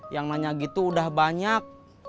yang nanya gitu udah banyak